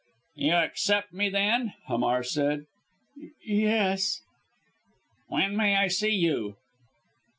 "You accept me, then?" Hamar said. "Y yes!" "When may I see you?"